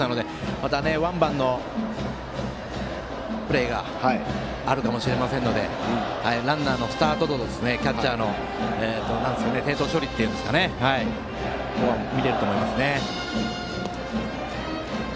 またワンバウンドのプレーがあるかもしれませんのでランナーのスタートとキャッチャーの処理を見れると思います。